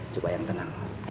coba yang tenang